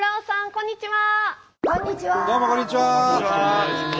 こんにちは。